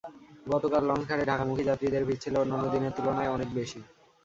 গতকাল লঞ্চঘাটে ঢাকামুখী যাত্রীদের ভিড় ছিল অন্যান্য দিনের তুলনায় অনেক বেশি।